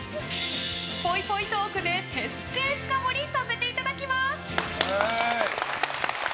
ぽいぽいトークで徹底深掘りさせていただきます。